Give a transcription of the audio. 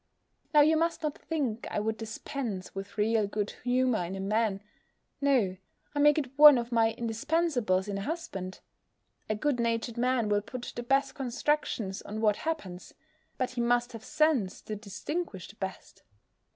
Now you must not think I would dispense with real good humour in a man. No, I make it one of my indispensables in a husband. A good natured man will put the best constructions on what happens; but he must have sense to distinguish the best.